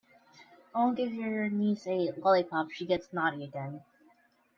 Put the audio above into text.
I won't give your niece a lollipop if she gets naughty again.